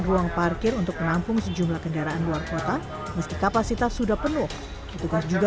ruang parkir untuk menampung sejumlah kendaraan luar kota meski kapasitas sudah penuh petugas juga